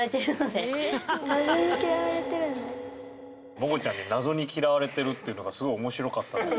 モコちゃんに謎に嫌われてるっていうのがすごい面白かったんだけど。